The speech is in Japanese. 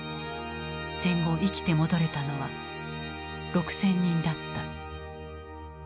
戦後生きて戻れたのは６０００人だった。